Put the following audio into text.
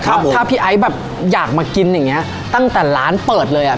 ถ้าพี่ไอ้แบบอยากมากินอย่างเงี้ยตั้งแต่ร้านเปิดเลยอ่ะ